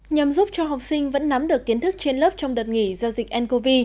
nhằm giúp cho học sinh vẫn nắm được kiến thức trên lớp trong đợt nghỉ do dịch ncov